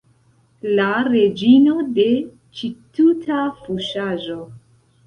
La reĝino de ĉi tuta fuŝaĵo!